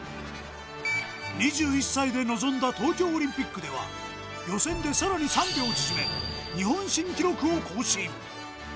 ２１歳で臨んだ東京オリンピックでは予選でさらに３秒縮め日本新記録を更新